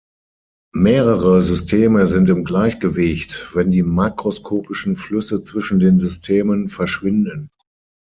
Mehrere Systeme sind im Gleichgewicht, wenn die makroskopischen Flüsse zwischen den Systemen verschwinden.